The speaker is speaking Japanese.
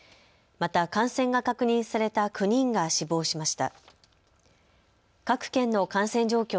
また感染が確認された９人が死亡しました。